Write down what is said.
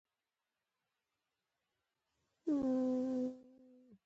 افغانستان د هرات په برخه کې نړیوالو بنسټونو سره کار کوي.